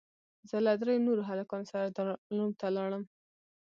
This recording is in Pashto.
زه له درېو نورو هلکانو سره دارالعلوم ته ولاړم.